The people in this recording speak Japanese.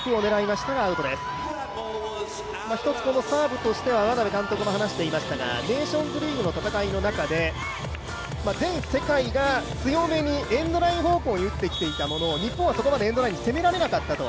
サーブとしては眞鍋監督も話していましたがネーションズリーグの戦いの中で、全世界が強めに、エンドライン方向に打ってきていたものを日本はそこまでエンドラインに攻められなかったと。